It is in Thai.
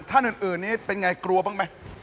ท่านอื่นนี้เป็นไงกลัวบ้างไหม